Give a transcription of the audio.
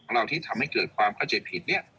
เราที่ทำให้เกิดความเข้าใจผิดเนี่ย